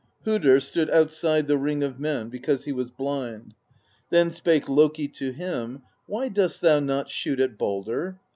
"Hodr stood outside the ring of men, because he was blind. Then spake Loki to him: 'Why dost thou not shoot at Baldr?'